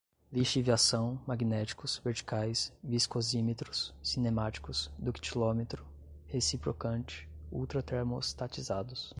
lixiviação, magnéticos, verticais, viscosímetros, cinemáticos, ductilômetro, reciprocante, ultratermostatizados